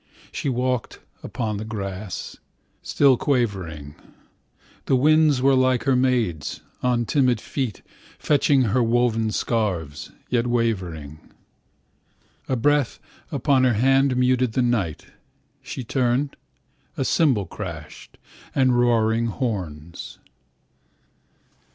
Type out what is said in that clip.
She walked upon the grass, Still quavering. The winds were like her maids, On timid feet, Fetching her woven scarves, Yet wavering.A breath upon her handMuted the night. She turned—A cymbal crashed, And roaring horns.